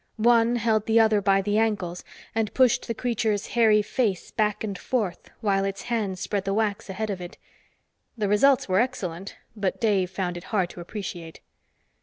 One held the other by the ankles and pushed the creature's hairy face back and forth, while its hands spread the wax ahead of it. The results were excellent, but Dave found it hard to appreciate.